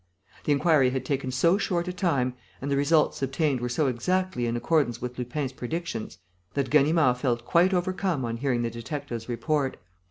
The inquiry had taken so short a time and the results obtained were so exactly in accordance with Lupin's predictions that Ganimard felt quite overcome on hearing the detective's report.